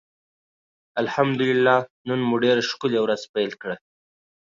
الحمدالله نن مو ډيره ښکلي ورځ پېل کړه.